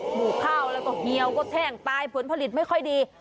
หมูข้าวแล้วก็เฮียวก็แท่งตายผลผลิตไม่ค่อยดี